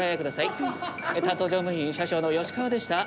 担当乗務員車掌の吉川でした。